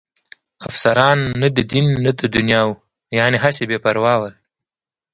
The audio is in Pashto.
افسران نه د دین نه د دنیا وو، یعنې هسې بې پروا ول.